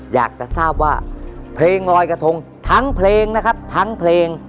อยากจะทราบว่าเพลงลอยกระทงทั้งเพลงนะครับทั้งเพลง